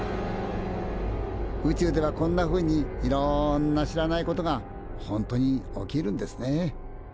宇宙ではこんなふうにいろんな知らないことが本当に起きるんですねえ。